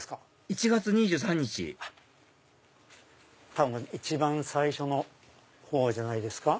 １月２３日多分一番最初のほうじゃないですか？